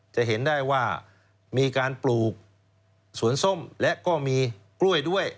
จะเห็นได้ว่ามีการปลูกสวนส้มและก็มีกล้วยด้วย